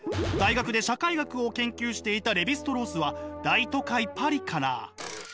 大学で社会学を研究していたレヴィ＝ストロースは大都会パリから。